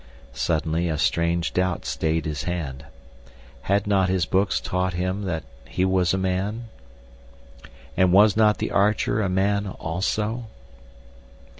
Suddenly, a strange doubt stayed his hand. Had not his books taught him that he was a man? And was not The Archer a man, also?